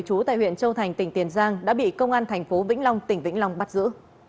trú tại huyện châu thành tỉnh tiền giang đã bị công an tp vĩnh long tỉnh vĩnh long bắt giữ